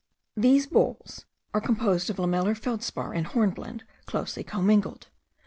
These balls are composed of lamellar feldspar and hornblende closely commingled.